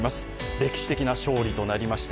歴史的な勝利となりました。